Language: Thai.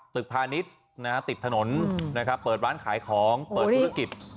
พาณิชย์ติดถนนนะครับเปิดร้านขายของเปิดธุรกิจ